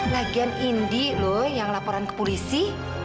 lagian indi loh yang laporan ke polisi